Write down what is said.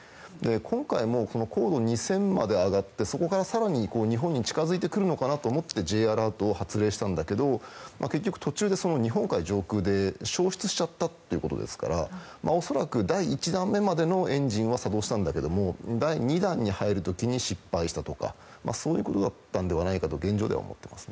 今回も高度２０００まで上がって、ここから更に日本に近づいてくるのかなと思ってＪアラートを発令したんだけども結局、途中で日本海上空で消失しちゃったということですから恐らく第１弾目までのエンジンは作動したんだけれども第２弾に入る時に失敗したとかそういうことだったのではないかと現状では思っています。